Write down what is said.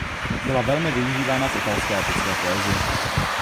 Byla velmi užívána v italské epické poezii.